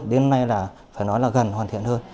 đến nay là phải nói là gần hoàn thiện hơn